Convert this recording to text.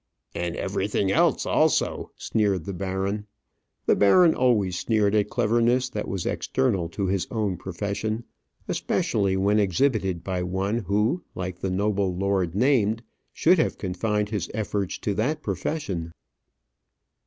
"And everything else also," sneered the baron. The baron always sneered at cleverness that was external to his own profession, especially when exhibited by one who, like the noble lord named, should have confined his efforts to that profession.